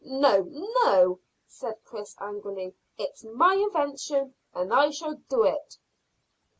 "No, no," said Chris angrily. "It's my invention, and I shall do it."